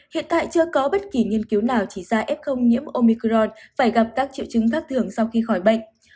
hiện tại chưa có bất kỳ nghiên cứu nào chỉ ra f nhiễm omicron phải gặp các triệu chứng khác thường sau khi khỏi bệnh